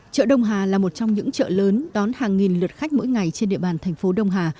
chợ đông hà là một trong những chợ lớn đón hàng nghìn lượt khách mỗi ngày trên địa bàn thành phố đông hà